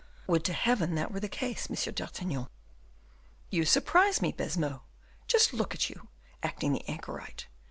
"Would to heaven that were the case, M. d'Artagnan." "You surprise me, Baisemeaux; just look at you, acting the anchorite.